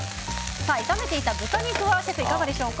炒めていた豚肉はいかがでしょうか？